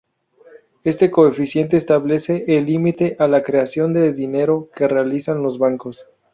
Este coeficiente establece el límite a la creación de dinero que realizan los bancos.